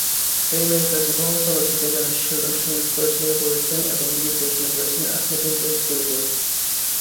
প্রেমের তাজমহল চলচ্চিত্রের গানের সুর ও সঙ্গীত পরিচালনা করেছেন এবং গীত রচনা করেছেন আহমেদ ইমতিয়াজ বুলবুল।